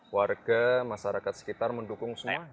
warga masyarakat sekitar mendukung semua